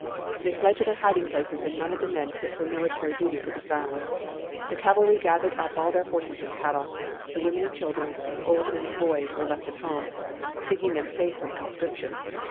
They fled to their hiding places and none of the men fit for military duty could be found. The cavalry gathered up all their horses and cattle. The women and children, old men and boys, were left at home, thinking them safe from conscription.